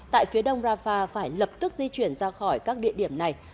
tại phía đông rafah phải lập tức di chuyển ra khỏi các địa điểm này